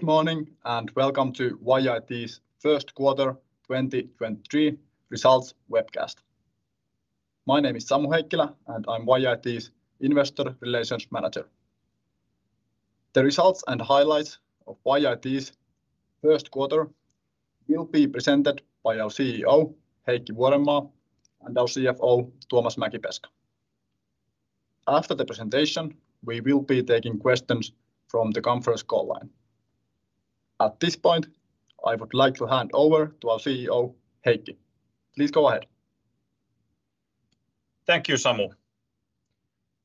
Good morning, welcome to YIT's first quarter 2023 results webcast. My name is Samu Heikkilä. I'm YIT's Investor Relations Manager. The results and highlights of YIT's first quarter will be presented by our CEO, Heikki Vuorenmaa, and our CFO, Tuomas Mäkipeska. After the presentation, we will be taking questions from the conference call line. At this point, I would like to hand over to our CEO, Heikki. Please go ahead. Thank you, Samu.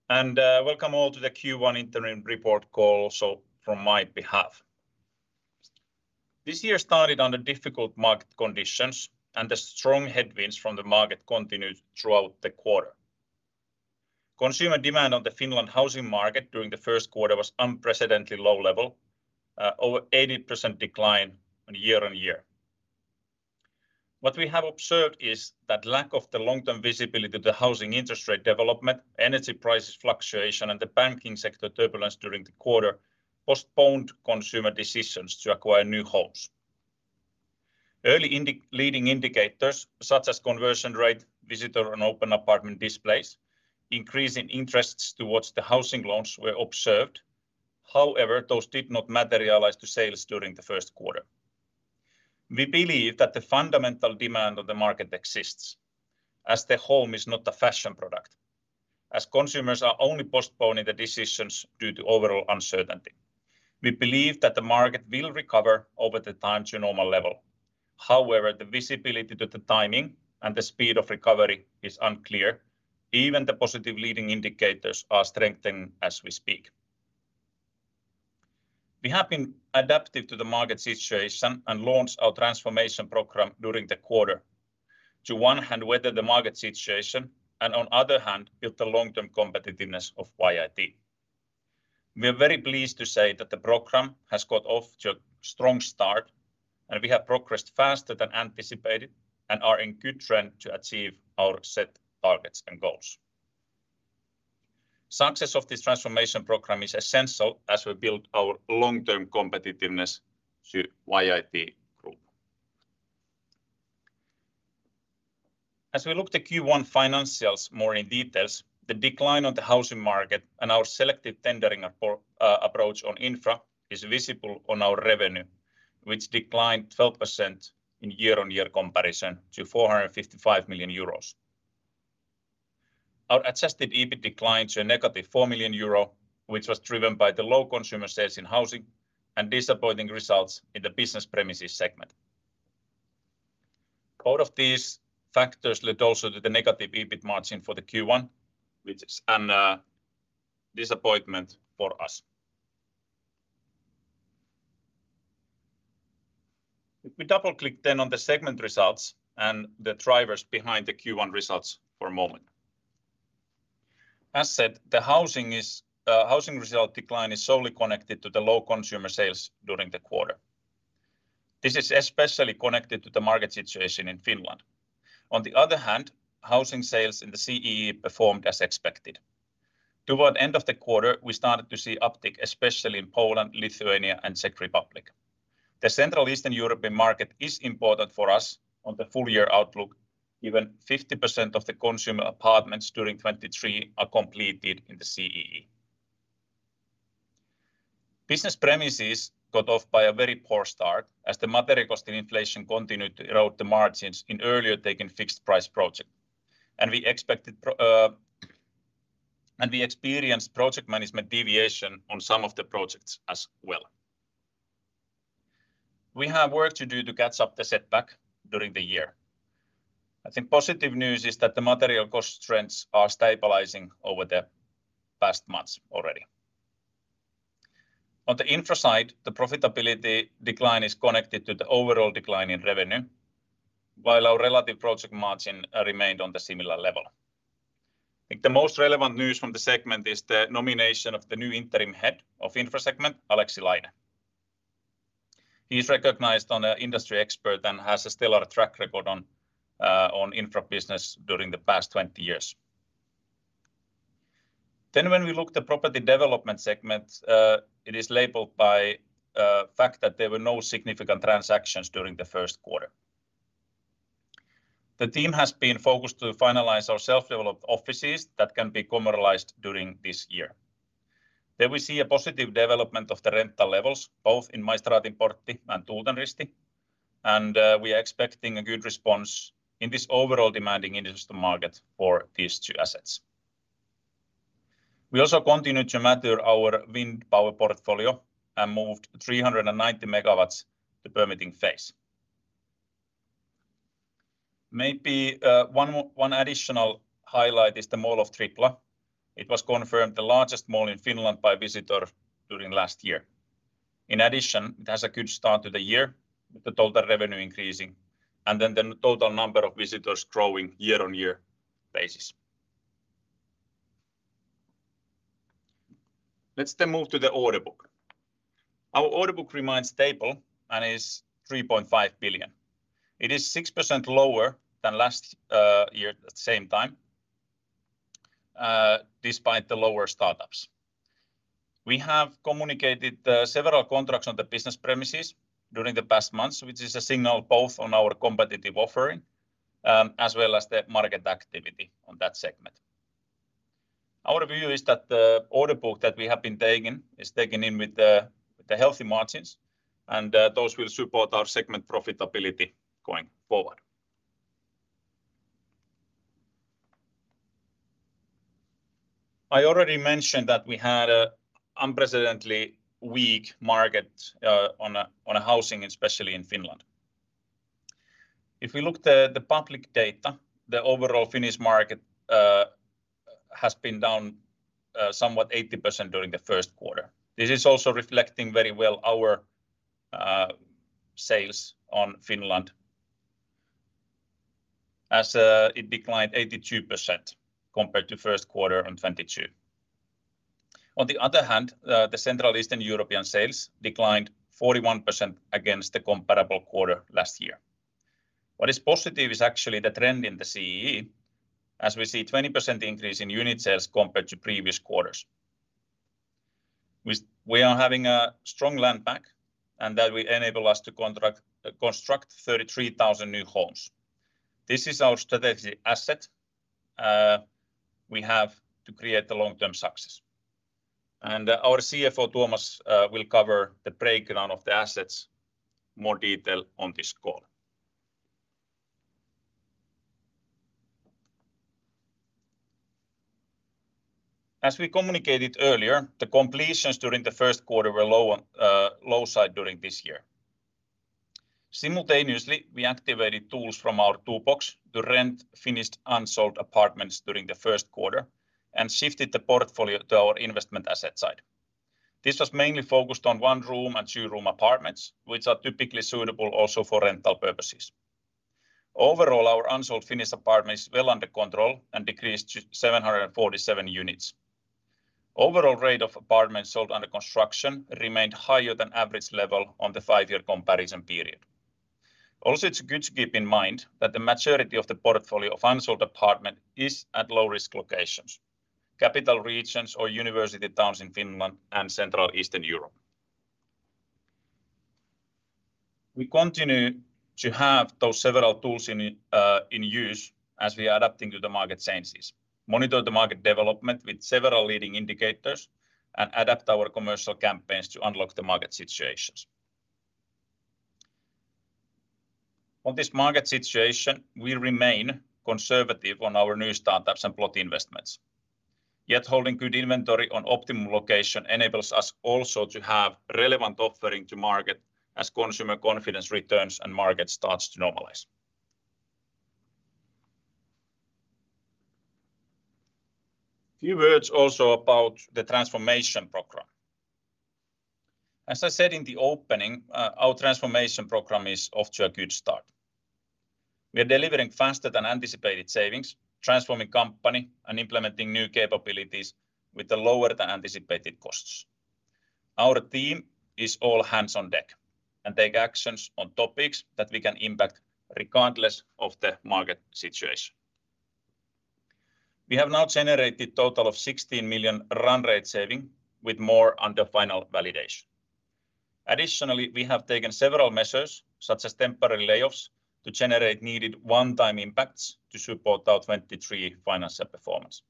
Welcome all to the Q1 interim report call also from my behalf. This year started under difficult market conditions, and the strong headwinds from the market continued throughout the quarter. Consumer demand on the Finland housing market during the 1st quarter was unprecedented low level, over 80% decline year-on-year. What we have observed is that lack of the long-term visibility to the housing interest rate development, energy prices fluctuation, and the banking sector turbulence during the quarter postponed consumer decisions to acquire new homes. Leading indicators, such as conversion rate, visitor and open apartment displays, increase in interests towards the housing loans were observed. However, those did not materialize to sales during the 1st quarter. We believe that the fundamental demand of the market exists as the home is not a fashion product, as consumers are only postponing the decisions due to overall uncertainty. We believe that the market will recover over the time to normal level. However, the visibility to the timing and the speed of recovery is unclear even the positive leading indicators are strengthening as we speak. We have been adaptive to the market situation and launched our transformation program during the quarter to, one hand, weather the market situation and, on other hand, build the long-term competitiveness of YIT. We are very pleased to say that the program has got off to a strong start, and we have progressed faster than anticipated and are in good trend to achieve our set targets and goals. Success of this transformation program is essential as we build our long-term competitiveness to YIT group. As we look to Q1 financials more in details, the decline on the housing market and our selective tendering approach on infra is visible on our revenue, which declined 12% in year-on-year comparison to 455 million euros. Our adjusted EBIT declined to a negative 4 million euro, which was driven by the low consumer sales in housing and disappointing results in the business premises segment. Both of these factors led also to the negative EBIT margin for the Q1, which is a disappointment for us. If we double-click then on the segment results and the drivers behind the Q1 results for a moment. As said, the housing result decline is solely connected to the low consumer sales during the quarter. This is especially connected to the market situation in Finland. On the other hand, housing sales in the CEE performed as expected. Toward end of the quarter, we started to see uptick, especially in Poland, Lithuania, and Czech Republic. The Central Eastern European market is important for us on the full year outlook. Even 50% of the consumer apartments during 2023 are completed in the CEE. Business premises got off by a very poor start as the material cost inflation continued to erode the margins in earlier taken fixed price project. We experienced project management deviation on some of the projects as well. We have work to do to catch up the setback during the year. I think positive news is that the material cost trends are stabilizing over the past months already. On the infra side, the profitability decline is connected to the overall decline in revenue, while our relative project margin remained on the similar level. I think the most relevant news from the segment is the nomination of the new Interim Head of infra segment, Aleksi Laine. He's recognized on a industry expert and has a stellar track record on infra business during the past 20 years. When we look the property development segment, it is labeled by fact that there were no significant transactions during the first quarter. The team has been focused to finalize our self-developed offices that can be commercialized during this year. There we see a positive development of the rental levels both in Maistraatinportti and Tuultenristi, and we are expecting a good response in this overall demanding industrial market for these two assets. We also continue to mature our wind power portfolio and moved 390 megawatts to permitting phase. One additional highlight is the Mall of Tripla. It was confirmed the largest mall in Finland by visitor during last year. It has a good start to the year with the total revenue increasing and the total number of visitors growing year-on-year basis. Move to the order book. Our order book remains stable and is 3.5 billion. It is 6% lower than last year at the same time. Despite the lower startups. We have communicated several contracts on the business premises during the past months, which is a signal both on our competitive offering as well as the market activity on that segment. Our view is that the order book that we have been taking is taken in with the healthy margins, and those will support our segment profitability going forward. I already mentioned that we had a unprecedentedly weak market on a housing, especially in Finland. If we look at the public data, the overall Finnish market has been down somewhat 80% during the first quarter. This is also reflecting very well our sales on Finland as it declined 82% compared to first quarter in 2022. On the other hand, the Central Eastern European sales declined 41% against the comparable quarter last year. What is positive is actually the trend in the CEE as we see 20% increase in unit sales compared to previous quarters. We are having a strong land bank, and that will enable us to construct 33,000 new homes. This is our strategic asset, we have to create the long-term success. Our CFO, Tuomas, will cover the breakdown of the assets more detail on this call. As we communicated earlier, the completions during the first quarter were low on, low side during this year. Simultaneously, we activated tools from our toolbox to rent finished unsold apartments during the first quarter and shifted the portfolio to our investment asset side. This was mainly focused on one-room and two-room apartments, which are typically suitable also for rental purposes. Overall, our unsold finished apartment is well under control and decreased to 747 units. Overall rate of apartments sold under construction remained higher than average level on the 5-year comparison period. It's good to keep in mind that the maturity of the portfolio of unsold apartment is at low-risk locations, capital regions or university towns in Finland and Central Eastern Europe. We continue to have those several tools in in use as we are adapting to the market changes. Monitor the market development with several leading indicators and adapt our commercial campaigns to unlock the market situations. On this market situation, we remain conservative on our new startups and plot investments. Holding good inventory on optimum location enables us also to have relevant offering to market as consumer confidence returns and market starts to normalize. Few words also about the transformation program. As I said in the opening, our transformation program is off to a good start. We are delivering faster than anticipated savings, transforming company and implementing new capabilities with the lower than anticipated costs. Our team is all hands on deck and take actions on topics that we can impact regardless of the market situation. We have now generated total of 16 million run rate saving with more under final validation. Additionally, we have taken several measures such as temporary layoffs to generate needed one-time impacts to support our 23 financial performance.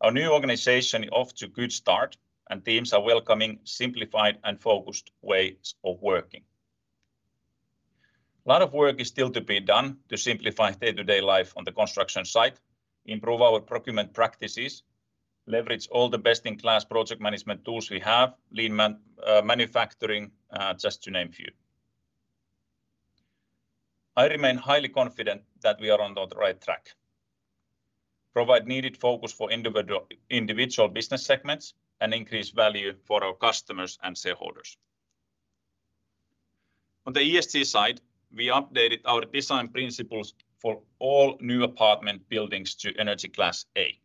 Our new organization off to a good start and teams are welcoming simplified and focused ways of working. A lot of work is still to be done to simplify day-to-day life on the construction site, improve our procurement practices, leverage all the best-in-class project management tools we have, lean manufacturing, just to name a few. I remain highly confident that we are on the right track. Provide needed focus for individual business segments and increase value for our customers and shareholders. On the ESG side, we updated our design principles for all new apartment buildings to Energy Class A.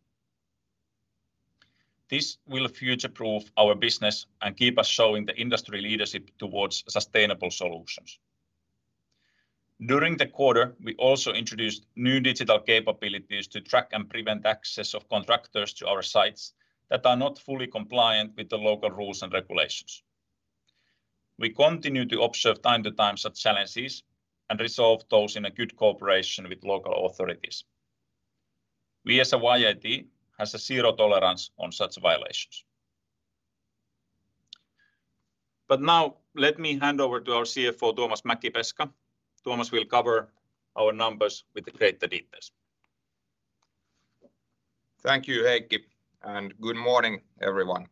This will future-proof our business and keep us showing the industry leadership towards sustainable solutions. During the quarter, we also introduced new digital capabilities to track and prevent access of contractors to our sites that are not fully compliant with the local rules and regulations. We continue to observe time to time such challenges and resolve those in a good cooperation with local authorities. We as a YIT has a zero tolerance on such violations. Now let me hand over to our CFO, Tuomas Mäkipeska. Tuomas will cover our numbers with the greater details. Thank you, Heikki, and good morning, everyone.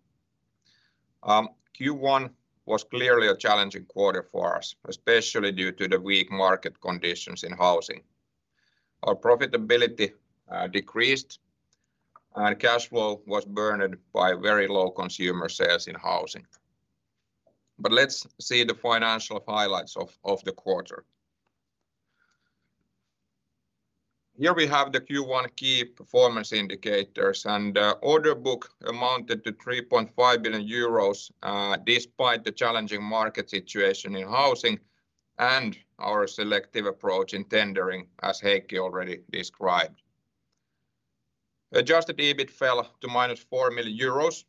Q1 was clearly a challenging quarter for us, especially due to the weak market conditions in housing. Our profitability decreased, and cash flow was burdened by very low consumer sales in housing. Let's see the financial highlights of the quarter. Here we have the Q1 key performance indicators. Order book amounted to 3.5 billion euros despite the challenging market situation in housing. Our selective approach in tendering, as Heikki already described. Adjusted EBIT fell to minus 4 million euros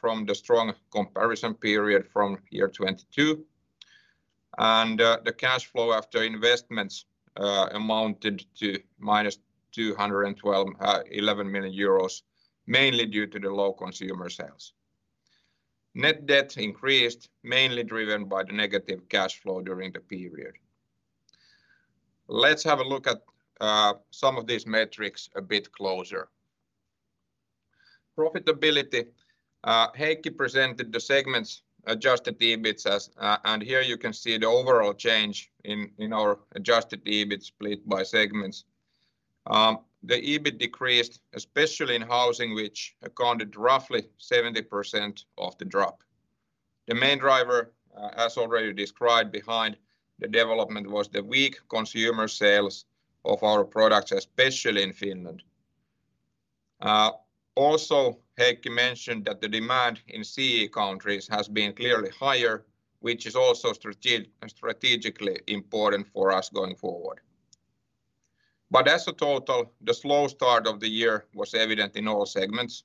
from the strong comparison period from 2022. The cash flow after investments amounted to minus 211 million euros, mainly due to the low consumer sales. Net debt increased, mainly driven by the negative cash flow during the period. Let's have a look at some of these metrics a bit closer. Profitability. Heikki presented the segment's adjusted EBIT as... Here you can see the overall change in our adjusted EBIT split by segments. The EBIT decreased especially in housing, which accounted roughly 70% of the drop. The main driver, as already described behind the development, was the weak consumer sales of our products, especially in Finland. Also Heikki mentioned that the demand in CEE countries has been clearly higher, which is also strategically important for us going forward. As a total, the slow start of the year was evident in all segments.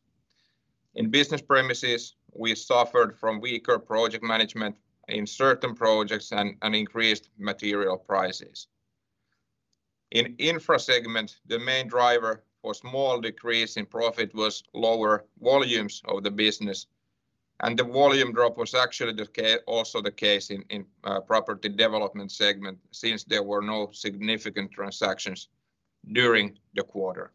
In Business Premises, we suffered from weaker project management in certain projects and increased material prices. In Infra segment, the main driver for small decrease in profit was lower volumes of the business. The volume drop was actually also the case in Property Development segment, since there were no significant transactions during the quarter.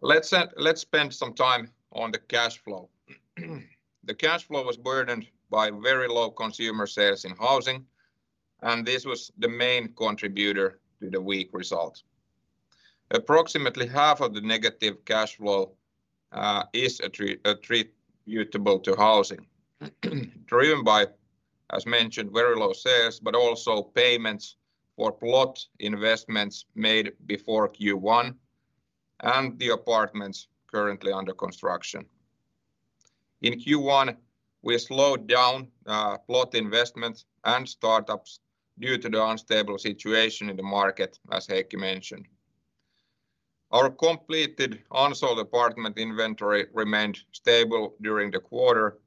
Let's spend some time on the cash flow. The cash flow was burdened by very low consumer sales in housing. This was the main contributor to the weak result. Approximately half of the negative cash flow is attributable to housing. Driven by, as mentioned, very low sales, but also payments for plot investments made before Q1, and the apartments currently under construction. In Q1, we slowed down plot investments and startups due to the unstable situation in the market, as Heikki mentioned. Our completed unsold apartment inventory remained stable during the quarter,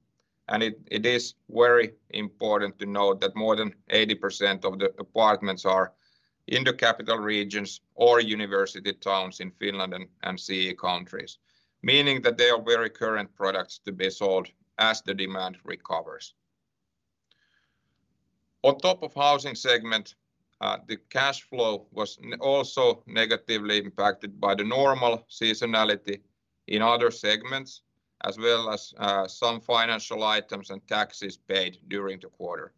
it is very important to note that more than 80% of the apartments are in the capital regions or university towns in Finland and CEE countries, meaning that they are very current products to be sold as the demand recovers. On top of housing segment, the cashflow was also negatively impacted by the normal seasonality in other segments, as well as some financial items and taxes paid during the quarter.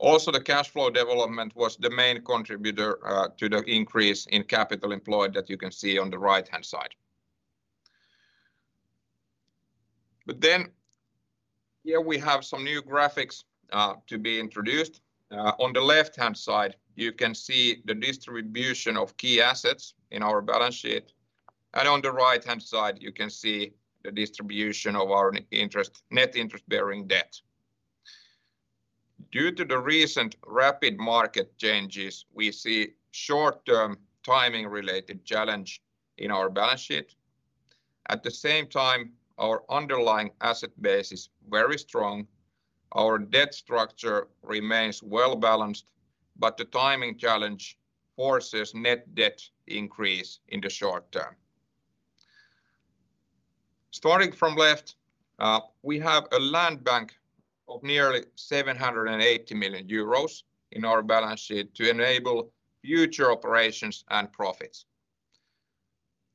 The cash flow development was the main contributor to the increase in capital employed that you can see on the right-hand side. Here we have some new graphics to be introduced. On the left-hand side, you can see the distribution of key assets in our balance sheet, and on the right-hand side, you can see the distribution of our interest, net interest-bearing debt. Due to the recent rapid market changes, we see short-term timing related challenge in our balance sheet. At the same time, our underlying asset base is very strong. Our debt structure remains well-balanced, but the timing challenge forces net debt increase in the short term. Starting from left, we have a land bank of nearly 780 million euros in our balance sheet to enable future operations and profits.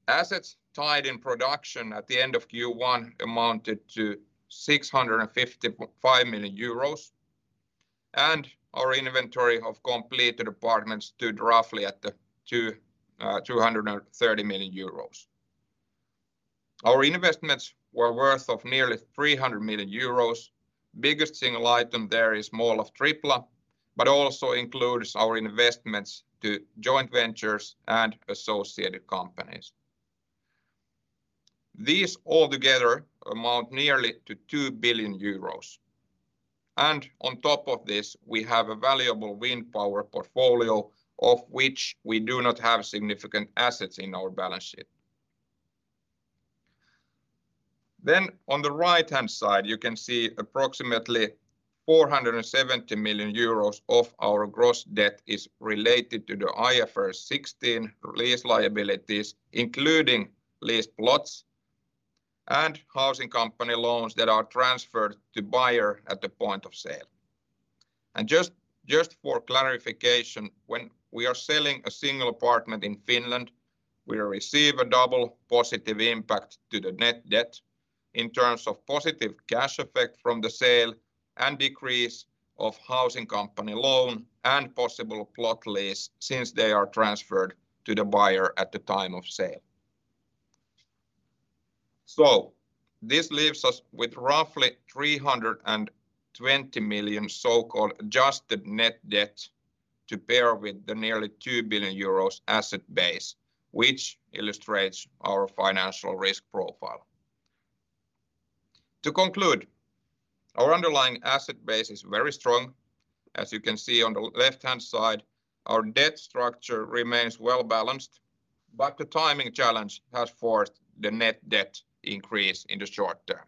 Assets tied in production at the end of Q1 amounted to 655 million euros, and our inventory of completed apartments stood roughly at 230 million euros. Our investments were worth of nearly 300 million euros. Biggest single item there is Mall of Tripla, but also includes our investments to joint ventures and associated companies. These all together amount nearly to 2 billion euros. On top of this, we have a valuable wind power portfolio, of which we do not have significant assets in our balance sheet. On the right-hand side, you can see approximately 470 million euros of our gross debt is related to the IFRS 16 lease liabilities, including leased plots and housing company loans that are transferred to buyer at the point of sale. Just for clarification, when we are selling a single apartment in Finland, we receive a double positive impact to the net debt in terms of positive cash effect from the sale and decrease of housing company loan and possible plot lease since they are transferred to the buyer at the time of sale. This leaves us with roughly 320 million so-called adjusted net debt. To pair with the nearly 2 billion euros asset base, which illustrates our financial risk profile. To conclude, our underlying asset base is very strong. As you can see on the left-hand side, our debt structure remains well-balanced, but the timing challenge has forced the net debt increase in the short term.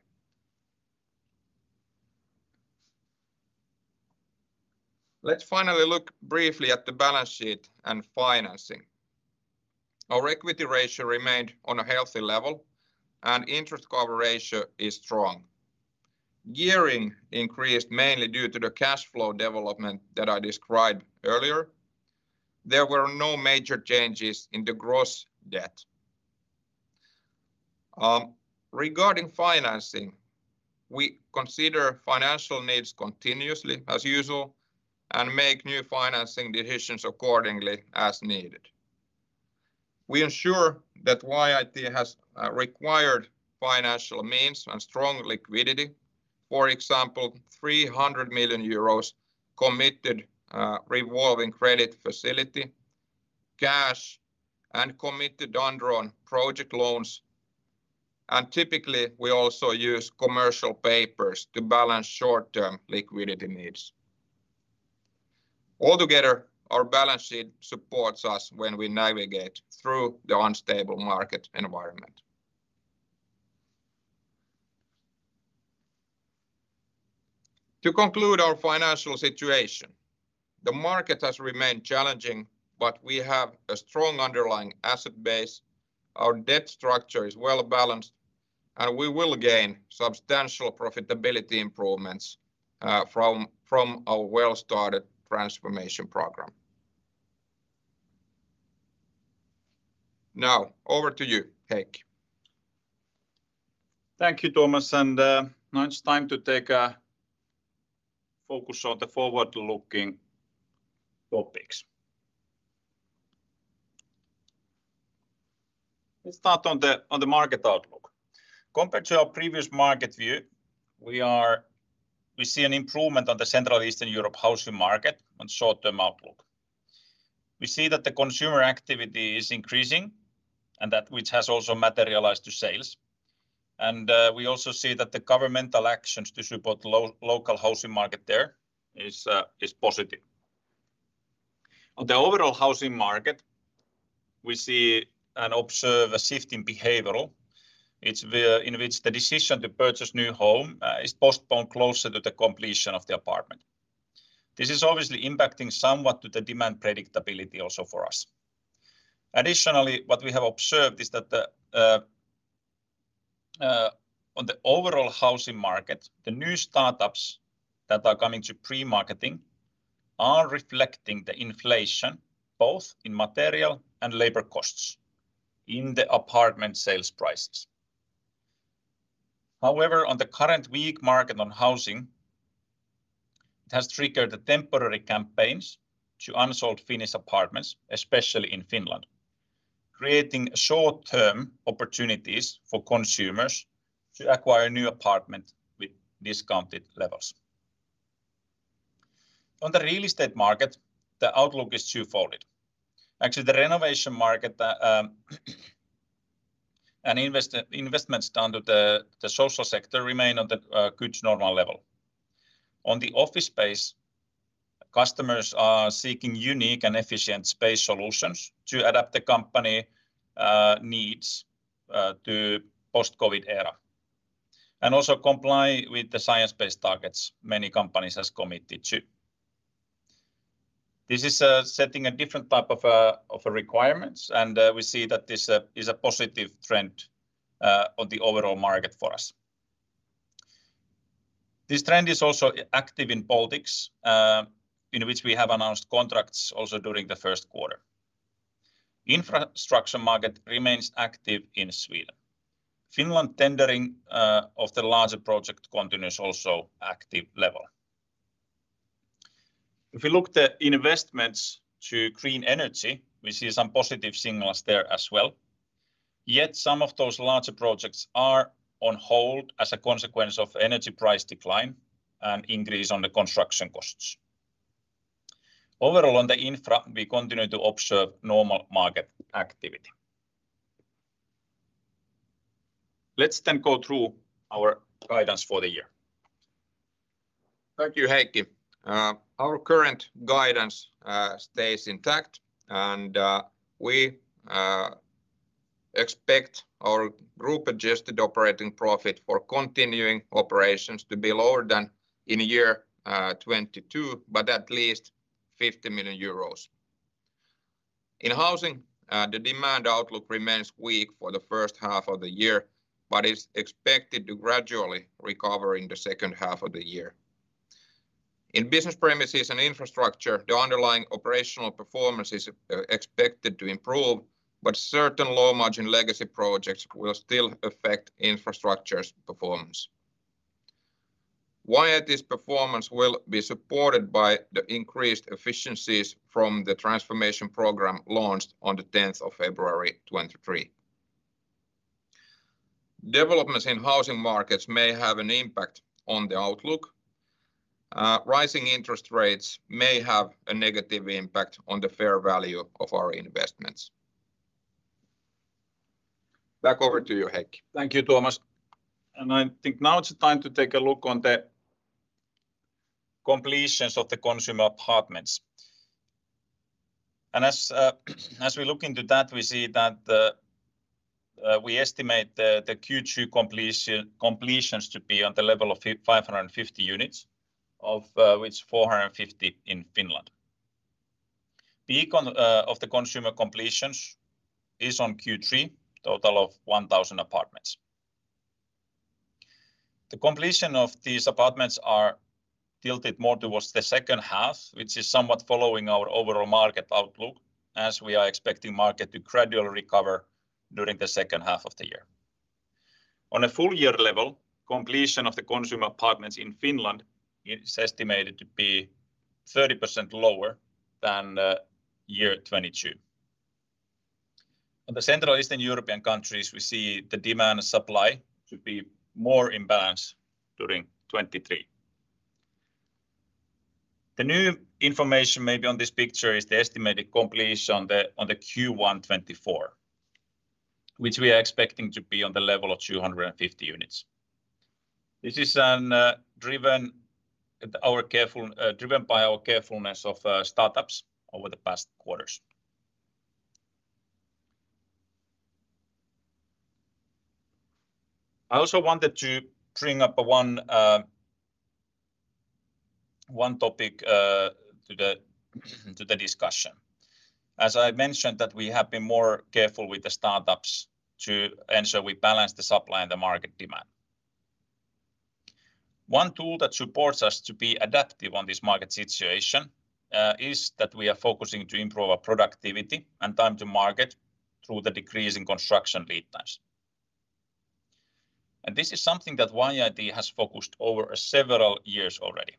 Let's finally look briefly at the balance sheet and financing. Our equity ratio remained on a healthy level, and interest cover ratio is strong. Gearing increased mainly due to the cash flow development that I described earlier. There were no major changes in the gross debt. Regarding financing, we consider financial needs continuously, as usual, and make new financing decisions accordingly as needed. We ensure that YIT has required financial means and strong liquidity. For example, 300 million euros committed revolving credit facility, cash, and committed undrawn project loans. Typically we also use commercial paper to balance short-term liquidity needs. Altogether, our balance sheet supports us when we navigate through the unstable market environment. To conclude our financial situation, the market has remained challenging, but we have a strong underlying asset base. Our debt structure is well-balanced, and we will gain substantial profitability improvements from our well-started transformation program. Now, over to you, Heikki. Thank you, Tuomas. Now it's time to take a focus on the forward-looking topics. Let's start on the market outlook. Compared to our previous market view, we see an improvement on the Central Eastern Europe housing market on short-term outlook. We see that the consumer activity is increasing and that which has also materialized to sales. We also see that the governmental actions to support local housing market there is positive. On the overall housing market, we see and observe a shift in behavioral. in which the decision to purchase new home is postponed closer to the completion of the apartment. This is obviously impacting somewhat to the demand predictability also for us. Additionally, what we have observed is that on the overall housing market, the new startups that are coming to pre-marketing are reflecting the inflation both in material and labor costs in the apartment sales prices. However, on the current weak market on housing, it has triggered temporary campaigns to unsold finished apartments, especially in Finland, creating short-term opportunities for consumers to acquire a new apartment with discounted levels. On the real estate market, the outlook is twofold. Actually, the renovation market, and investments done to the social sector remain on the good normal level. On the office space, customers are seeking unique and efficient space solutions to adapt the company needs to post-COVID era and also comply with the science-based targets many companies has committed to. This is setting a different type of requirements. We see that this is a positive trend on the overall market for us. This trend is also active in Baltics, in which we have announced contracts also during the first quarter. Infrastructure market remains active in Sweden. Finland tendering of the larger project continues also active level. If we look the investments to green energy, we see some positive signals there as well. Some of those larger projects are on hold as a consequence of energy price decline and increase on the construction costs. Overall, on the infra, we continue to observe normal market activity. Let's go through our guidance for the year. Thank you, Heikki. Our current guidance stays intact, and we expect our group-adjusted operating profit for continuing operations to be lower than in year 2022, but at least 50 million euros. In housing, the demand outlook remains weak for the first half of the year, but is expected to gradually recover in the second half of the year. In business premises and infrastructure, the underlying operational performance is expected to improve, but certain low-margin legacy projects will still affect infrastructure's performance. YIT's performance will be supported by the increased efficiencies from the transformation program launched on the 10th of February 2023. Developments in housing markets may have an impact on the outlook. Rising interest rates may have a negative impact on the fair value of our investments. Back over to you, Heikki. Thank you, Tuomas. I think now it's time to take a look on the completions of the consumer apartments. As we look into that, we see that we estimate the Q2 completions to be on the level of 550 units, of which 450 in Finland. Peak of the consumer completions is on Q3, total of 1,000 apartments. The completion of these apartments are tilted more towards the second half, which is somewhat following our overall market outlook, as we are expecting market to gradually recover during the second half of the year. On a full year level, completion of the consumer apartments in Finland is estimated to be 30% lower than year 2022. On the Central Eastern European countries, we see the demand and supply to be more in balance during 2023. The new information maybe on this picture is the estimated completion on the Q1 2024, which we are expecting to be on the level of 250 units. This is driven by our carefulness of startups over the past quarters. I also wanted to bring up one topic to the discussion. As I mentioned, that we have been more careful with the startups to ensure we balance the supply and the market demand. One tool that supports us to be adaptive on this market situation, is that we are focusing to improve our productivity and time to market through the decrease in construction lead times. This is something that YIT has focused over several years already.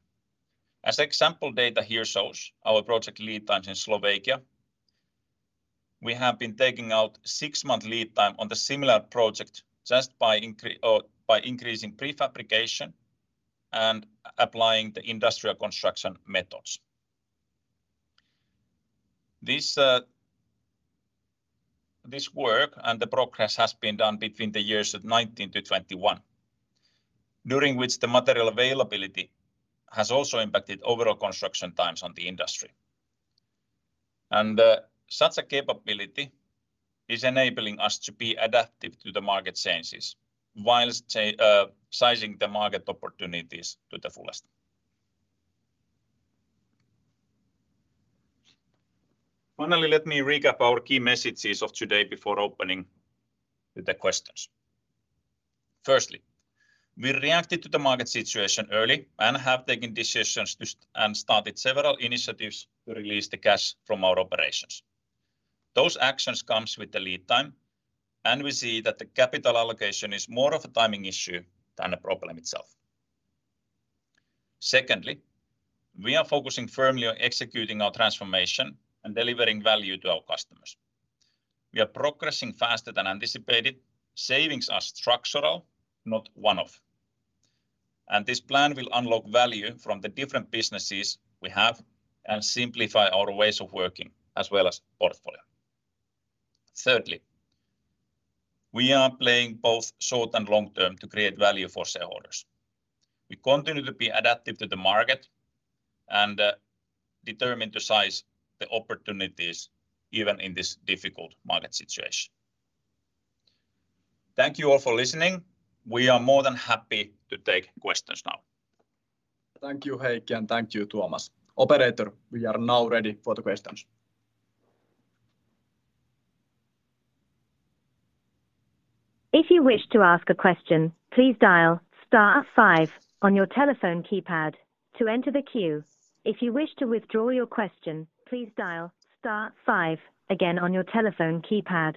As example data here shows, our project lead times in Slovakia, we have been taking out 6-month lead time on the similar project just by or by increasing prefabrication and applying the industrial construction methods. This, this work and the progress has been done between the years of 2019 to 2021, during which the material availability has also impacted overall construction times on the industry. Such a capability is enabling us to be adaptive to the market changes whilst sizing the market opportunities to the fullest. Finally, let me recap our key messages of today before opening the questions. Firstly, we reacted to the market situation early and have taken decisions and started several initiatives to release the cash from our operations. Those actions comes with the lead time. We see that the capital allocation is more of a timing issue than a problem itself. Secondly, we are focusing firmly on executing our transformation and delivering value to our customers. We are progressing faster than anticipated. Savings are structural, not one-off. This plan will unlock value from the different businesses we have and simplify our ways of working as well as portfolio. Thirdly, we are playing both short and long term to create value for shareholders. We continue to be adaptive to the market and determine to size the opportunities even in this difficult market situation. Thank you all for listening. We are more than happy to take questions now. Thank you, Heikki, and thank you, Tuomas. Operator, we are now ready for the questions. If you wish to ask a question, please dial star five on your telephone keypad to enter the queue. If you wish to withdraw your question, please dial star five again on your telephone keypad.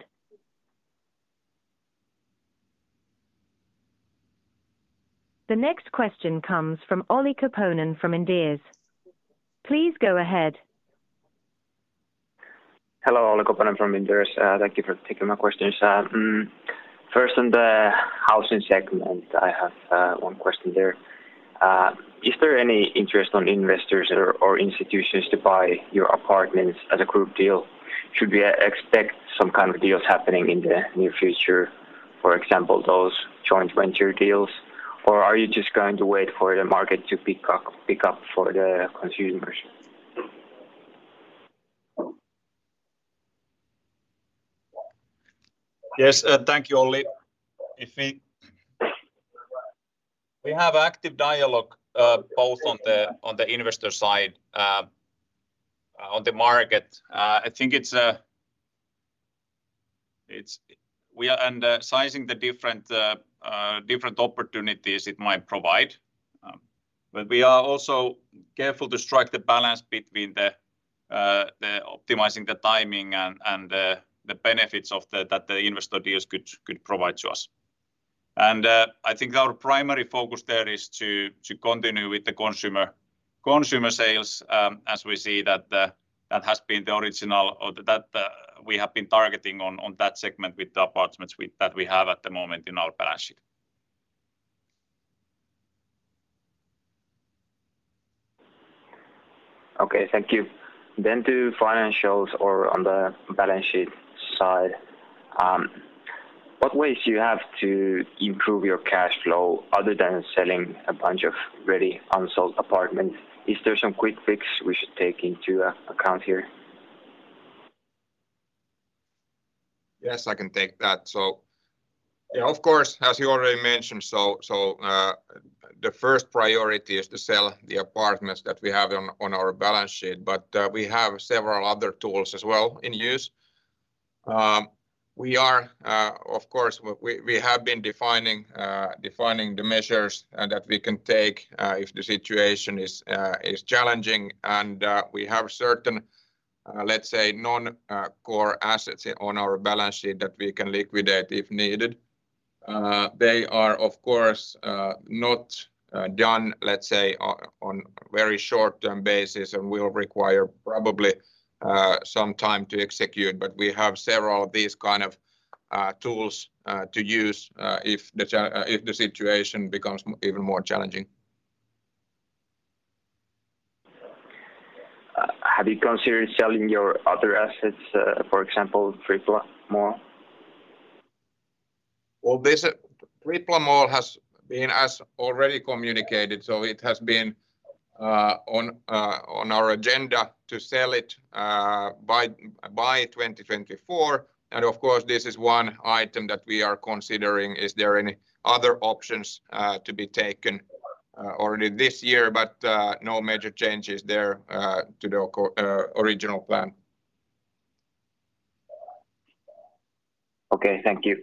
The next question comes from Olli Koponen from Inderes. Please go ahead. Hello. Olli Koponen from Inderes. Thank you for taking my questions. First on the housing segment, I have one question there. Is there any interest on investors or institutions to buy your apartments as a group deal? Should we expect some kind of deals happening in the near future, for example, those joint venture deals? Are you just going to wait for the market to pick up for the consumers? Yes. Thank you, Olli. We have active dialogue, both on the investor side, on the market. I think it's... We are... Sizing the different opportunities it might provide. We are also careful to strike the balance between the optimizing the timing and the benefits of the, that the investor deals could provide to us. I think our primary focus there is to continue with the consumer Consumer sales, as we see that has been the original or that we have been targeting on that segment with the apartments that we have at the moment in our balance sheet. Okay. Thank you. To financials or on the balance sheet side. What ways do you have to improve your cash flow other than selling a bunch of ready unsold apartments? Is there some quick fix we should take into account here? Yes, I can take that. Of course, as you already mentioned, the first priority is to sell the apartments that we have on our balance sheet. We have several other tools as well in use. We are, of course, we have been defining the measures that we can take if the situation is challenging and we have certain, let's say non-core assets on our balance sheet that we can liquidate if needed. They are of course, not done, let's say on very short-term basis and will require probably some time to execute. We have several of these kind of tools to use if the situation becomes even more challenging. Have you considered selling your other assets, for example, Tripla mall? Well, this Tripla mall has been as already communicated, it has been on our agenda to sell it by 2024. Of course, this is one item that we are considering. Is there any other options to be taken already this year? No major changes there to the original plan. Okay. Thank you.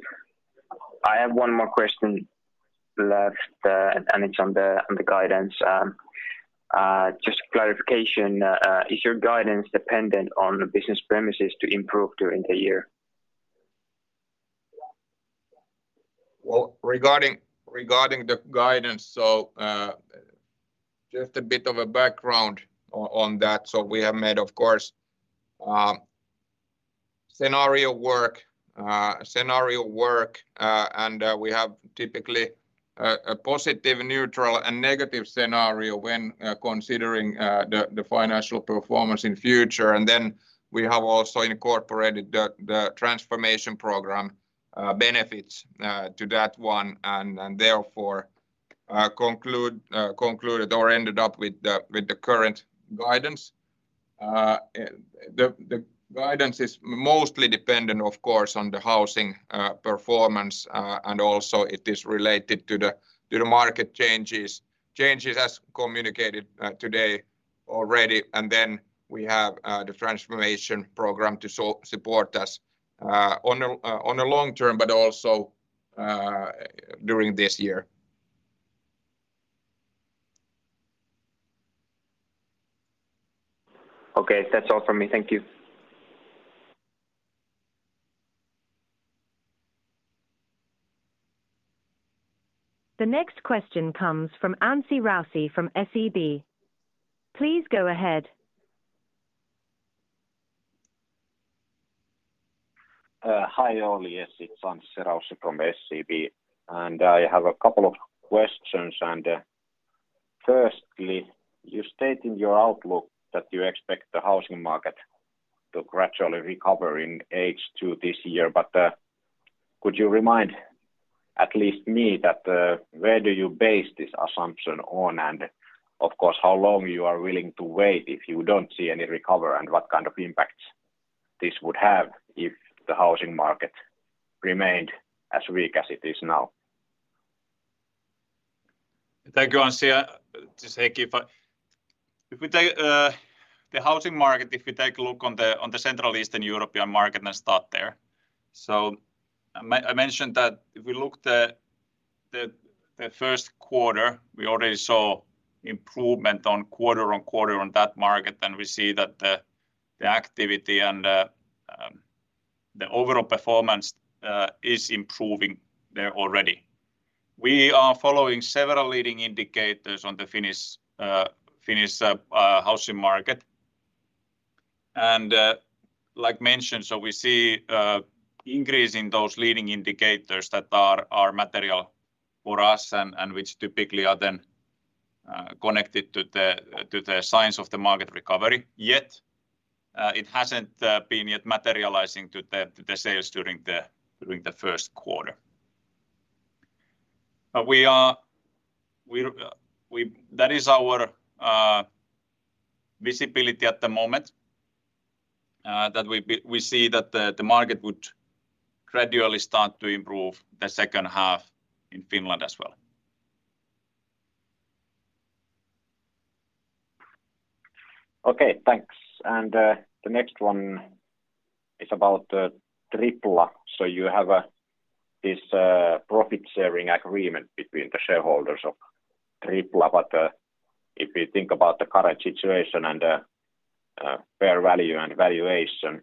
I have one more question left, and it's on the, on the guidance. Just clarification, is your guidance dependent on the business premises to improve during the year? Well, regarding the guidance, just a bit of a background on that. We have made of course, scenario work, and we have typically a positive, neutral and negative scenario when considering the financial performance in future. We have also incorporated the transformation program benefits to that one and therefore concluded or ended up with the current guidance. The guidance is mostly dependent of course, on the housing performance. Also it is related to the market changes as communicated today already. We have the transformation program to support us on a long term, but also during this year. Okay. That's all from me. Thank you. The next question comes from Anssi Raussi from SEB. Please go ahead. Hi Olli. Yes, it's Anssi Raussi from SEB, I have a couple of questions. Firstly, you state in your outlook that you expect the housing market to gradually recover in H2 this year. Could you remind at least me that, where do you base this assumption on, and of course, how long you are willing to wait if you don't see any recover, and what kind of impacts this would have if the housing market remained as weak as it is now? Thank you, Anssi. This is Heikki. If we take the housing market, if we take a look on the Central Eastern European market and start there. I mentioned that if we look the first quarter, we already saw improvement on quarter-on-quarter on that market, and we see that the activity and the overall performance is improving there already. We are following several leading indicators on the Finnish housing market. Like mentioned, we see increase in those leading indicators that are material for us and which typically are then connected to the signs of the market recovery. It hasn't been yet materializing to the sales during the first quarter. We're. That is our visibility at the moment, that we see that the market would gradually start to improve the second half in Finland as well. Okay, thanks. The next one is about the Tripla. You have this profit sharing agreement between the shareholders of Tripla. If we think about the current situation and fair value and valuation.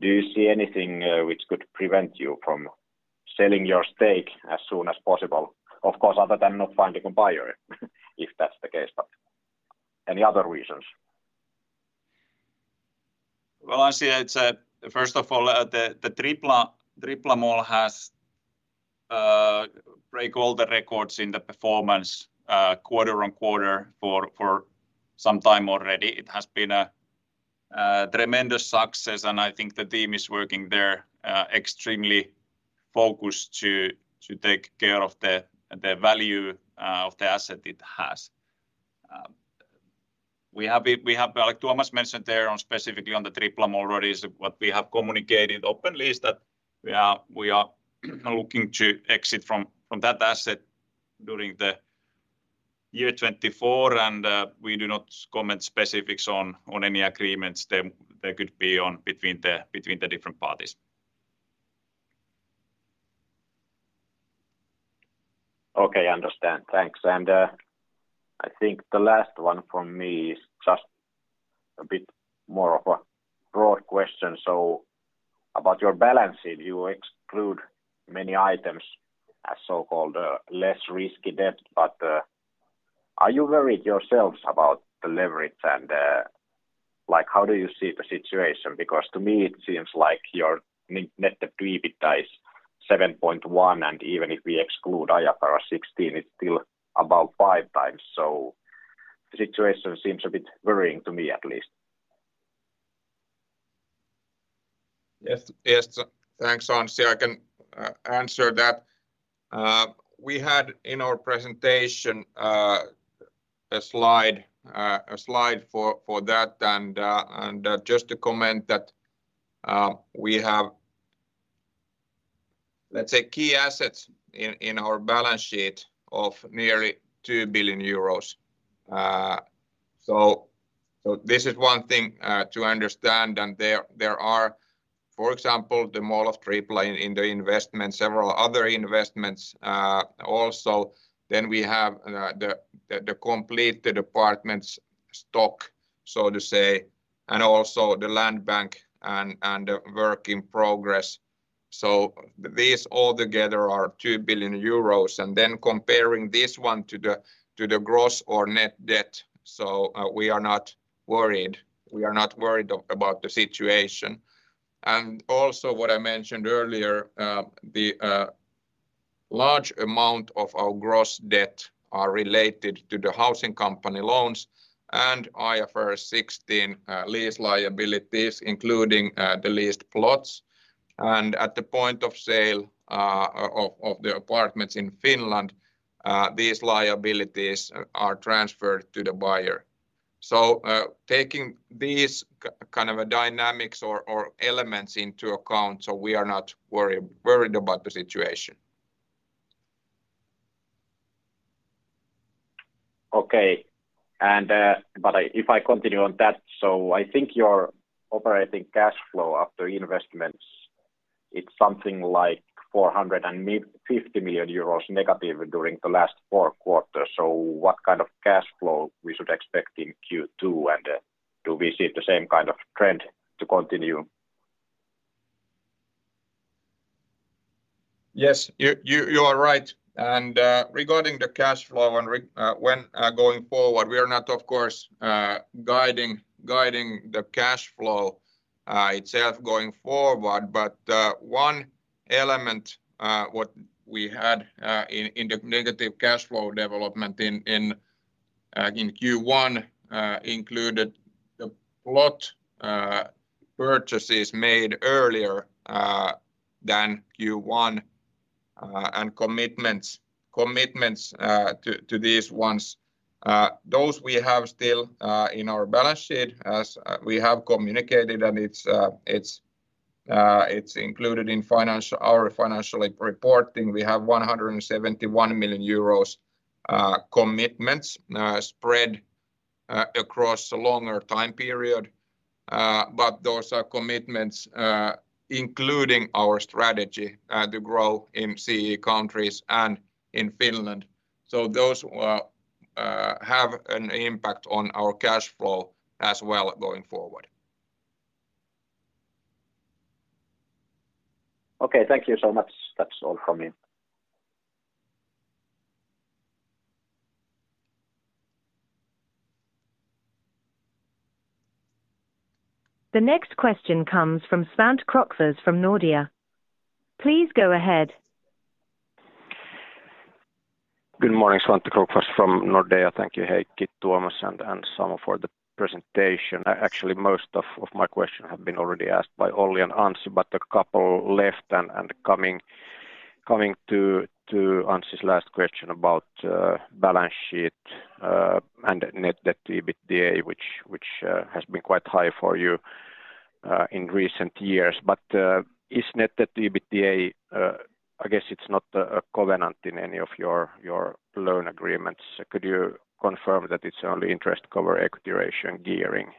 Do you see anything which could prevent you from selling your stake as soon as possible? Of course, other than not finding a buyer, if that's the case, but any other reasons? Well, Anssi, it's first of all, the Tripla Mall has break all the records in the performance quarter-on-quarter for some time already. It has been a tremendous success, I think the team is working there extremely focused to take care of the value of the asset it has. We have, like Tuomas mentioned there on specifically on the Tripla Mall already, is what we have communicated openly is that we are looking to exit from that asset during 2024. We do not comment specifics on any agreements there could be on between the different parties. Okay. Understand. Thanks. I think the last one from me is just a bit more of a broad question. About your balance sheet, you exclude many items as so-called less risky debt, are you worried yourselves about the leverage and like, how do you see the situation? To me it seems like your net-net debt to EBITDA is 7.1, and even if we exclude IFRS 16, it's still about 5x. The situation seems a bit worrying to me at least. Yes. Yes. Thanks, Anssi. I can answer that. We had in our presentation a slide for that and just to comment that we have, let's say, key assets in our balance sheet of nearly 2 billion euros. So this is one thing to understand and there are, for example, the Mall of Tripla in the investment, several other investments also. We have the completed apartments stock, so to say, and also the land bank and the work in progress. These all together are 2 billion euros. Comparing this one to the gross or net debt, we are not worried about the situation. Also what I mentioned earlier, the large amount of our gross debt are related to the housing company loans and IFRS 16 lease liabilities, including the leased plots. At the point of sale of the apartments in Finland, these liabilities are transferred to the buyer. Taking these kind of a dynamics or elements into account, so we are not worried about the situation. Okay. If I continue on that, I think your operating cash flow after investments, it's something like 450 million euros negative during the last four quarters. What kind of cash flow we should expect in Q2, and do we see the same kind of trend to continue? Yes. You are right. Regarding the cash flow when going forward, we are not, of course, guiding the cash flow itself going forward. One element what we had in the negative cash flow development in Q1 included the plot purchases made earlier than Q1 and commitments to these ones. Those we have still in our balance sheet as we have communicated, and it's included in financial... our financial reporting. We have 171 million euros commitments spread across a longer time period. Those are commitments including our strategy to grow in C countries and in Finland. Those will have an impact on our cash flow as well going forward. Okay. Thank you so much. That's all from me. The next question comes from Svante Krokfors from Nordea. Please go ahead. Good morning. Svante Krokfors from Nordea. Thank you, Heikki, Tuomas and Samu for the presentation. Actually, most of my question have been already asked by Olli and Anssi, but a couple left. Coming to Anssi's last question about balance sheet and net debt to EBITDA which has been quite high for you in recent years. Is net debt to EBITDA, I guess it's not a covenant in any of your loan agreements. Could you confirm that it's only interest cover equity ratio and gearing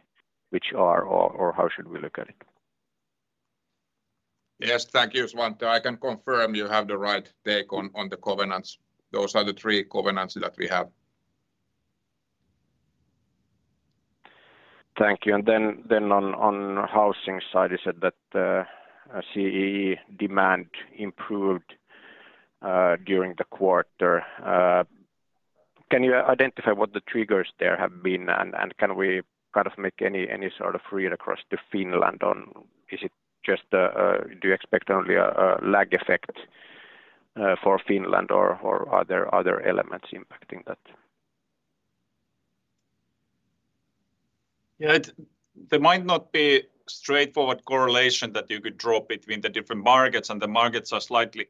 which are... or how should we look at it? Yes. Thank you, Svante. I can confirm you have the right take on the covenants. Those are the three covenants that we have. Thank you. Then on housing side, you said that CEE demand improved during the quarter. Can you identify what the triggers there have been and can we kind of make any sort of read across to Finland on? Is it just, do you expect only a lag effect for Finland or are there other elements impacting that? Yeah. There might not be straightforward correlation that you could draw between the different markets, and the markets are slightly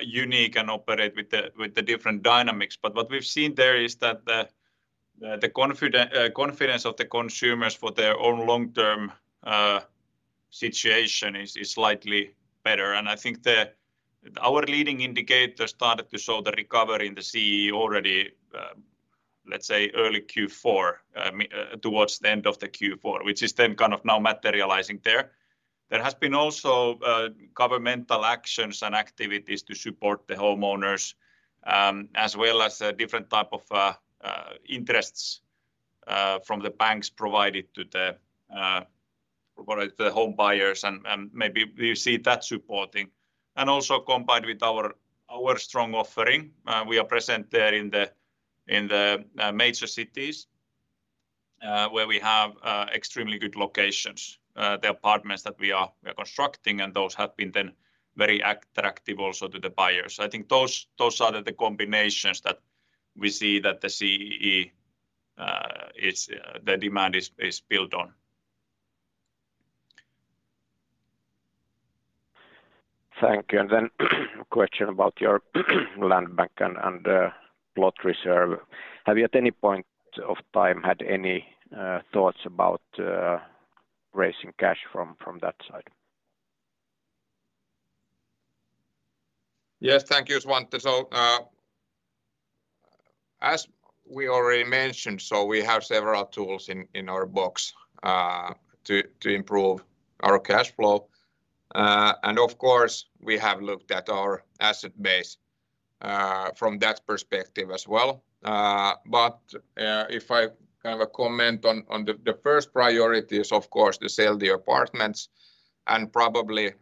unique and operate with the different dynamics. What we've seen there is that the confidence of the consumers for their own long-term situation is slightly better. I think the... Our leading indicator started to show the recovery in the CEE already, let's say early Q4, towards the end of the Q4, which is then kind of now materializing there. There has been also governmental actions and activities to support the homeowners, as well as a different type of interests from the banks provided to the home buyers and maybe we see that supporting. Also combined with our strong offering, we are present there in the major cities, where we have extremely good locations. The apartments that we are constructing, and those have been then very attractive also to the buyers. I think those are the combinations that we see that the CEE, the demand is built on. Thank you. Then question about your land bank and plot reserve. Have you at any point of time had any thoughts about raising cash from that side? Yes. Thank you, Svante. As we already mentioned, we have several tools in our box to improve our cash flow. Of course, we have looked at our asset base from that perspective as well. If I kind of comment on the first priority is, of course, to sell the apartments and probably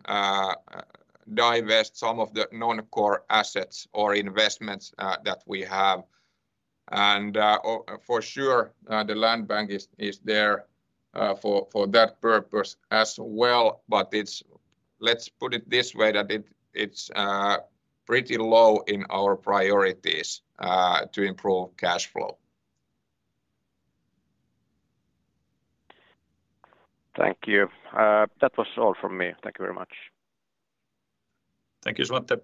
divest some of the non-core assets or investments that we have. For sure, the land bank is there for that purpose as well. Let's put it this way, that it's pretty low in our priorities to improve cash flow. Thank you. That was all from me. Thank you very much. Thank you, Svante.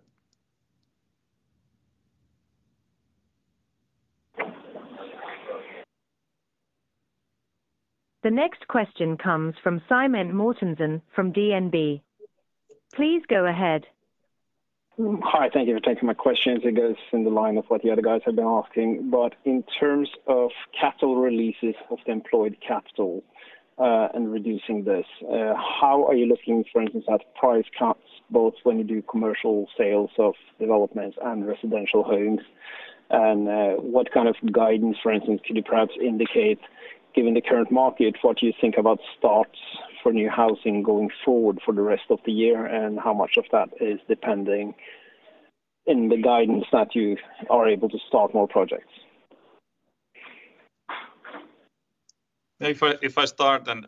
The next question comes from Simen Mortensen from DNB. Please go ahead. Hi. Thank you for taking my questions. It goes in the line of what the other guys have been asking. In terms of capital releases of the capital employed, and reducing this, how are you looking, for instance, at price cuts, both when you do commercial sales of developments and residential homes? What kind of guidance, for instance, could you perhaps indicate, given the current market, what you think about starts for new housing going forward for the rest of the year, and how much of that is depending in the guidance that you are able to start more projects? If I start then.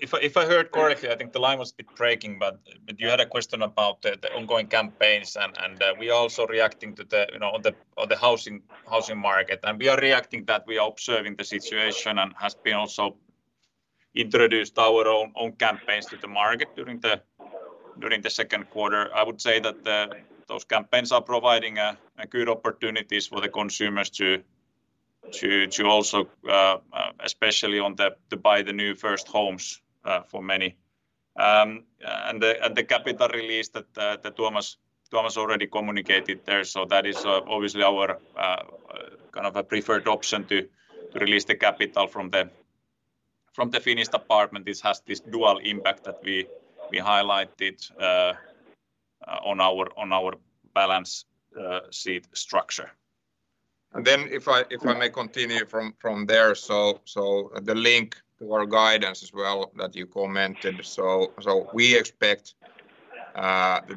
If I heard correctly, I think the line was a bit breaking, but you had a question about the ongoing campaigns and we are also reacting to the, you know, on the housing market. We are reacting that we are observing the situation and has been also introduced our own campaigns to the market during the second quarter. I would say that those campaigns are providing a good opportunities for the consumers to also especially on the to buy the new first homes for many. And the capital release Tuomas Mäkipeska already communicated there, that is obviously our kind of a preferred option to release the capital from the finished apartment. This has this dual impact that we highlighted on our balance sheet structure. If I may continue from there. The link to our guidance as well that you commented. We expect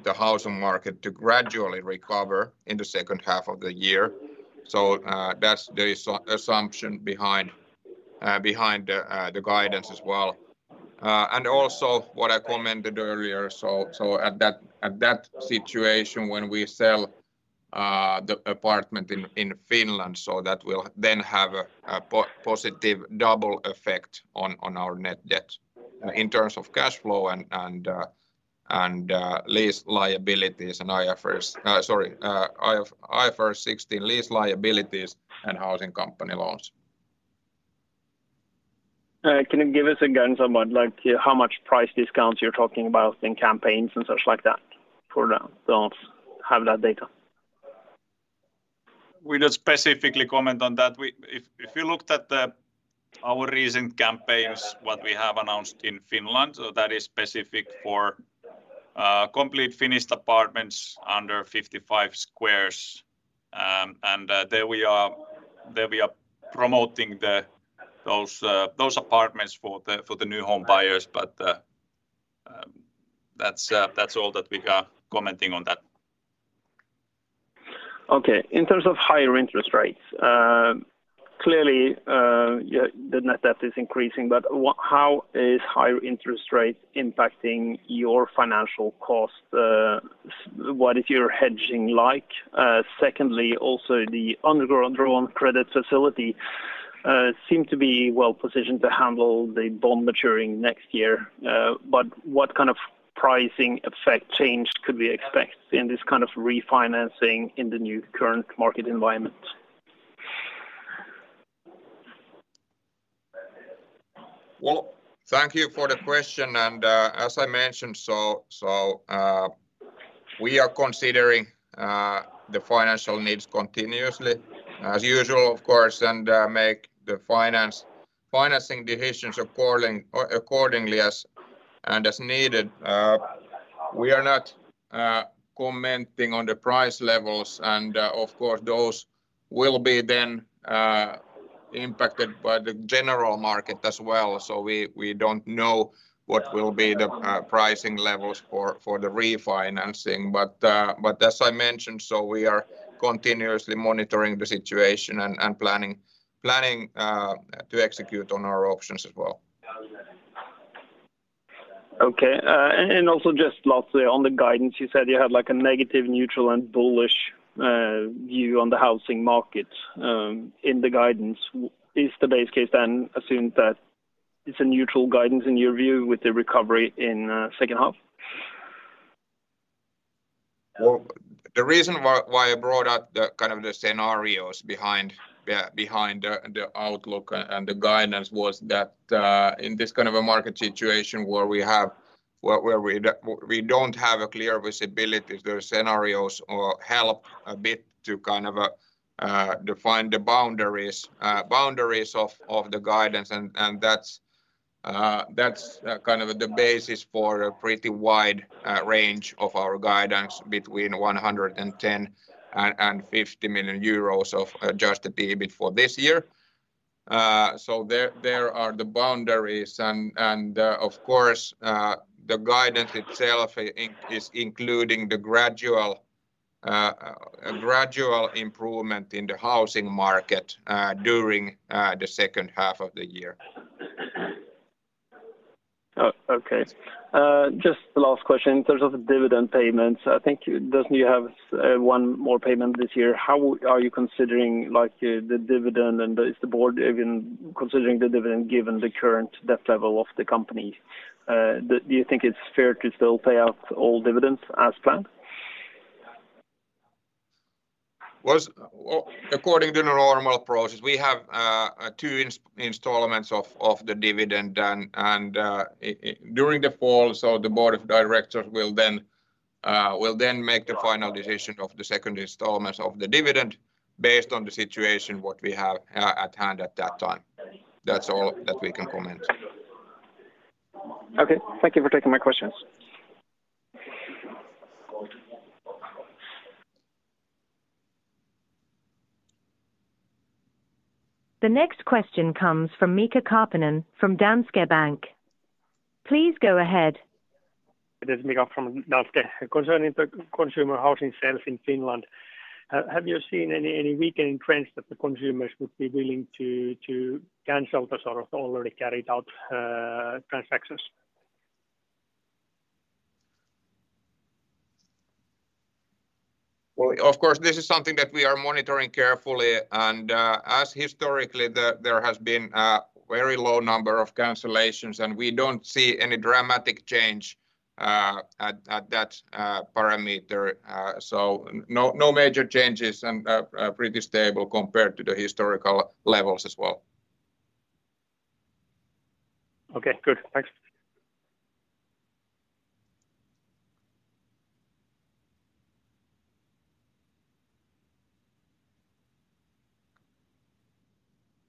the housing market to gradually recover in the second half of the year. That's the assumption behind the guidance as well. Also what I commented earlier, at that situation when we sell the apartment in Finland, that will then have a positive double effect on our net debt. In terms of cash flow and lease liabilities and IFRS... Sorry, IFRS 16 lease liabilities and housing company loans. Can you give us a guidance on what, like, how much price discounts you're talking about in campaigns and such like that? For the ones have that data. We don't specifically comment on that. If you looked at our recent campaigns, what we have announced in Finland, that is specific for complete finished apartments under 55 squares. There we are promoting those apartments for the new home buyers. That's all that we are commenting on that. In terms of higher interest rates, clearly, the net debt is increasing. How is higher interest rates impacting your financial costs? What is your hedging like? Secondly, also the underground drawn credit facility, seem to be well-positioned to handle the bond maturing next year. What kind of pricing effect change could we expect in this kind of refinancing in the new current market environment? Well, thank you for the question. As I mentioned, we are considering the financial needs continuously as usual of course and make the financing decisions accordingly as and as needed. We are not commenting on the price levels and of course, those will be then impacted by the general market as well. We don't know what will be the pricing levels for the refinancing. As I mentioned, we are continuously monitoring the situation and planning to execute on our options as well. Okay. Also just lastly, on the guidance, you said you had like a negative, neutral, and bullish view on the housing market in the guidance. Is the base case then assumed that it's a neutral guidance in your view with the recovery in second half? Well, the reason why I brought up the kind of the scenarios behind the outlook and the guidance was that, in this kind of a market situation where we don't have a clear visibility, the scenarios or help a bit to kind of define the boundaries of the guidance. That's kind of the basis for a pretty wide range of our guidance between 110 and 50 million euros of adjusted EBIT for this year. There are the boundaries and of course, the guidance itself is including the gradual improvement in the housing market during the second half of the year. Oh, okay. Just the last question in terms of the dividend payments. Doesn't you have one more payment this year? Is the board even considering the dividend given the current debt level of the company? Do you think it's fair to still pay out all dividends as planned? According to the normal process, we have 2 installments of the dividend. During the fall, the board of directors will then make the final decision of the 2nd installments of the dividend based on the situation, what we have at hand at that time. That's all that we can comment. Okay. Thank you for taking my questions. The next question comes from Mika Karppinen from Danske Bank. Please go ahead. It is Mika from Danske. Concerning the consumer housing sales in Finland, have you seen any weakening trends that the consumers would be willing to cancel the sort of already carried out transactions? Well, of course, this is something that we are monitoring carefully. As historically, there has been a very low number of cancellations, and we don't see any dramatic change at that parameter. No major changes and pretty stable compared to the historical levels as well. Okay. Good. Thanks.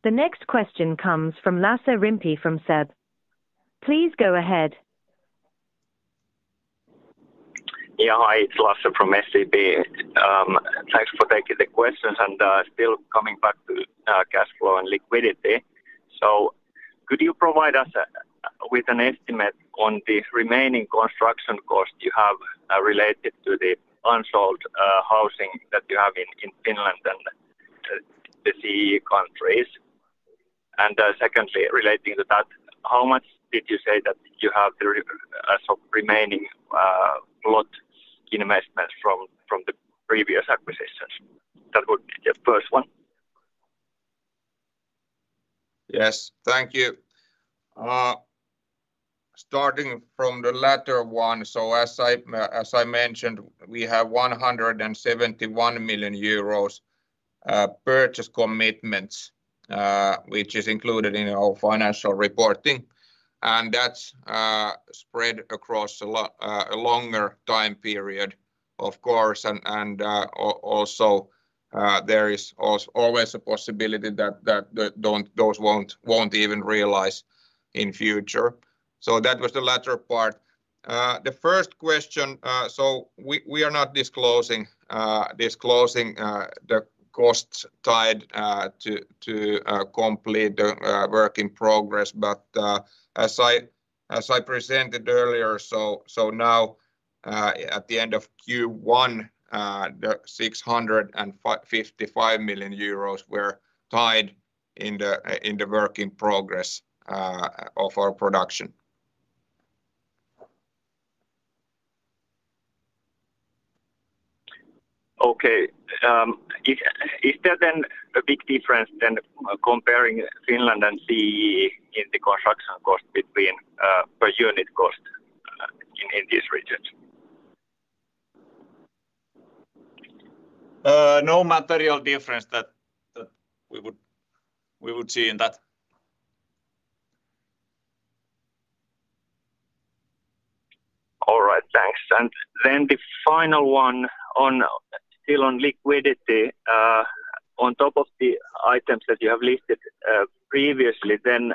The next question comes from Lasse Rimpi from SEB. Please go ahead. Yeah. Hi, it's Lasse from SEB. Thanks for taking the questions. Still coming back to cash flow and liquidity. Could you provide us with an estimate on the remaining construction costs you have related to the unsold housing that you have in Finland and the CE countries? Secondly, relating to that, how much did you say that you have the remaining plot investments from the previous acquisitions? That would be the first one. Yes. Thank you. Starting from the latter one. As I mentioned, we have 171 million euros purchase commitments, which is included in our financial reporting. That's spread across a longer time period of course. Also, there is always a possibility that those won't even realize in future. That was the latter part. The first question. We are not disclosing the costs tied to complete the work in progress. As I presented earlier, now at the end of Q1, 655 million euros were tied in the work in progress of our production. Okay. Is there then a big difference then comparing Finland and CEE in the construction cost between per unit cost in these regions? No material difference that we would see in that. All right. Thanks. The final one on... still on liquidity. On top of the items that you have listed previously, then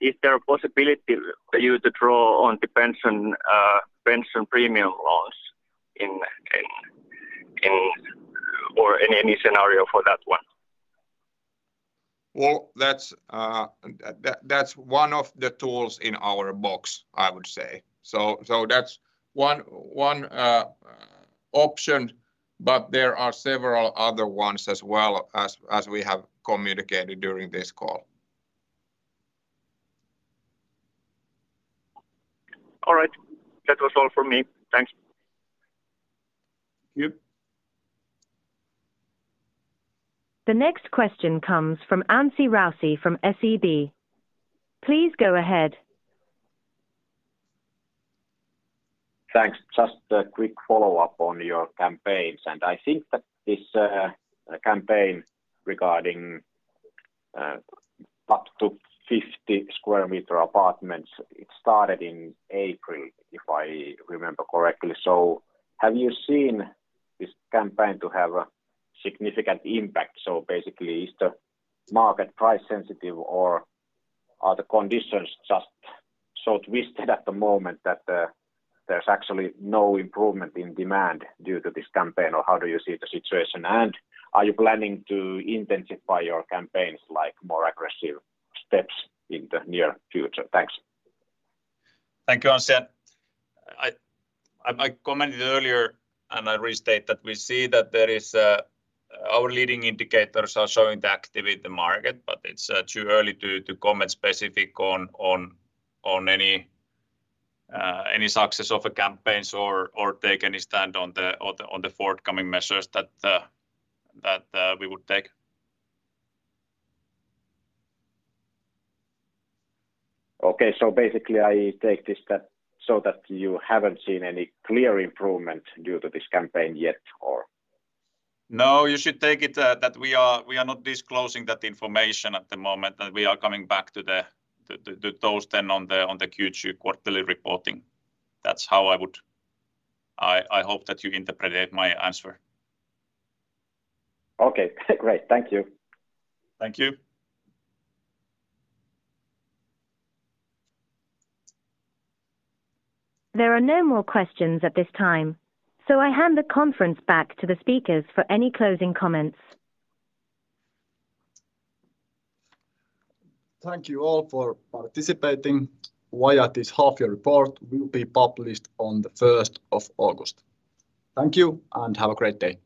is there a possibility for you to draw on the pension, TyEL premium loans in any scenario for that one? That's one of the tools in our box, I would say. That's one option, but there are several other ones as well as we have communicated during this call. All right. That was all for me. Thanks. Thank you. The next question comes from Anssi Raussi from SEB. Please go ahead. Thanks. Just a quick follow-up on your campaigns. I think that this campaign regarding up to 50 square meter apartments, it started in April, if I remember correctly. Have you seen this campaign to have a significant impact? Basically, is the market price sensitive, or are the conditions just so twisted at the moment that there's actually no improvement in demand due to this campaign, or how do you see the situation? Are you planning to intensify your campaigns, like more aggressive steps in the near future? Thanks. Thank you, Anssi. I commented earlier, and I restate that we see that there is our leading indicators are showing the activity market, but it's too early to comment specific on any success of the campaigns or take any stand on the forthcoming measures that we would take. Okay. Basically I take this that so that you haven't seen any clear improvement due to this campaign yet, or? You should take it that we are not disclosing that information at the moment, and we are coming back to those then on the Q2 quarterly reporting. That's how I would. I hope that you interpreted my answer. Okay. Great. Thank you. Thank you. There are no more questions at this time, so I hand the conference back to the speakers for any closing comments. Thank you all for participating. YIT's half-year report will be published on the first of August. Thank you, and have a great day.